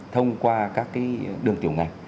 thông qua các cái đường tiểu ngành